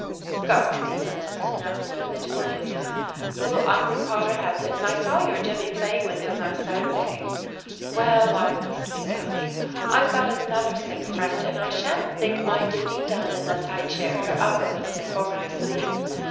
Scarlet fever has broken out in the village, Cornelia. Little Isaac Potter has it, and I saw your Jimmy playing with him last Saturday. Well, I must be going now. I've got another sick friend, and I sha'n't think my duty done unless I cheer her up a little before I sleep.